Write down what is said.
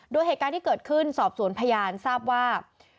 โดยเหตุการณ์ที่เกิดขึ้นสอบสวนพยานทราบว่า